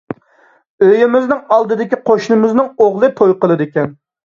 ئۆيىمىزنىڭ ئالدىدىكى قوشنىمىزنىڭ ئوغلى توي قىلىدىكەن.